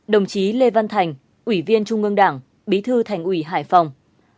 ba mươi bảy đồng chí lê văn thành ủy viên trung ương đảng bí thư thành ủy hải phòng